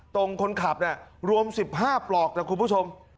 ตรงคนขับรวม๑๕ปลอกนะคุณผู้ชม